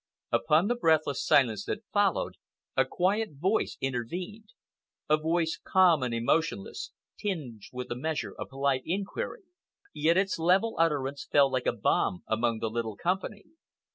Upon the breathless silence that followed a quiet voice intervened—a voice calm and emotionless, tinged with a measure of polite inquiry. Yet its level utterance fell like a bomb among the little company.